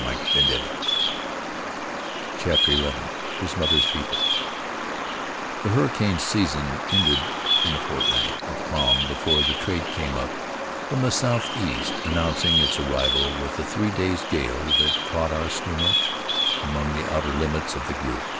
Under the South CHAPTER XI His Mother's People v]HE hurricane season ended in a fortnight of calm before the trade came up from the southeast, announcing its arrival with a three days' gale that caught our schooner among the outer islands of the group.